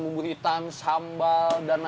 bumbu hitam sambal dan nasi hangat